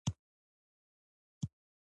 سمدستي میکروبي شو.